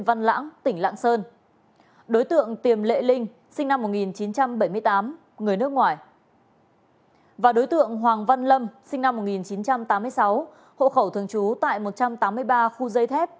và đối tượng hoàng văn lâm sinh năm một nghìn chín trăm tám mươi sáu hộ khẩu thường trú tại một trăm tám mươi ba khu dây thép